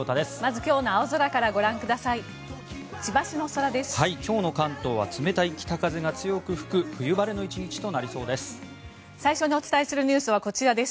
今日の関東は冷たい北風が強く吹く冬晴れの１日となりそうです。